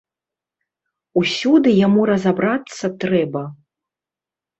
Усюды яму разабрацца трэба.